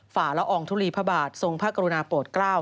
ฝ่าละอองทุลีพระบาททรงพระกรุณาโปรดเกล้า